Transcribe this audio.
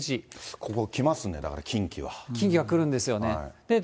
ここ、来ますね、近畿は来るんですよね。